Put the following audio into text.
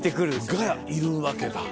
がいるわけだ。